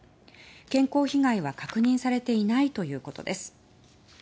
健康被害は確認されていないということです。